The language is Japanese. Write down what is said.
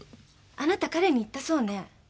あなた彼に言ったそうね